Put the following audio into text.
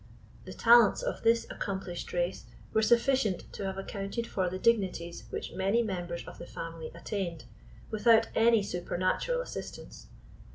The talents of this accomplished race were sufficient to have accounted for the dignities which many members of the family attained, without any supernatural assistance.